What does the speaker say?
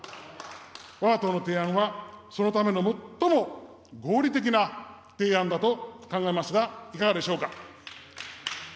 わが党の提案は、そのための最も合理的な提案だと考えますがいかがでしょうか。